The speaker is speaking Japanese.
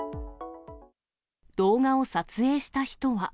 動画を撮影した人は。